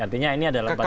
artinya ini adalah